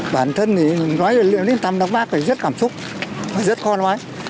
bản thân thì nói đến tăm bác thì rất cảm xúc và rất khôn hoái